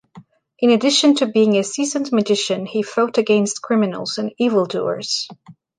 In addition to being a seasoned magician, he fought against criminals and evildoers.